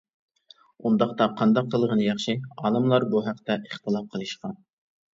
ئۇنداقتا قانداق قىلغىنى ياخشى؟ ئالىملار بۇ ھەقتە ئىختىلاپ قىلىشقان.